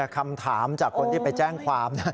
คำถามจากคนที่ไปแจ้งความนะ